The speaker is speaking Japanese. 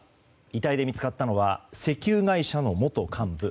遺体で見つかったのは石油会社の元幹部。